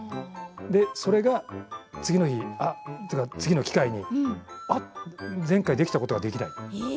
それが次の日次の機会にあっ前回できたことができない。